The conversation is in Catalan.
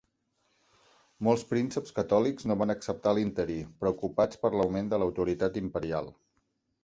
Molts prínceps catòlics no van acceptar l'interí, preocupats per l'augment de l'autoritat imperial.